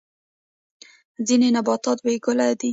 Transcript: ځینې نباتات بې ګله دي